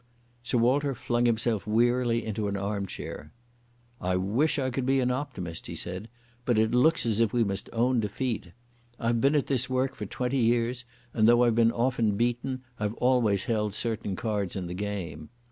Sir Walter flung himself wearily into an arm chair. "I wish I could be an optimist," he said, "but it looks as if we must own defeat. I've been at this work for twenty years, and, though I've been often beaten, I've always held certain cards in the game.